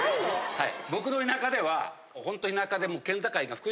はい。